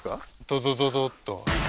ドドドドッと？